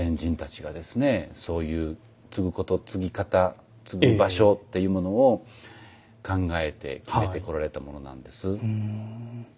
そういうつぐことつぎ方つぐ場所っていうものを考えて決めてこられたものなんです。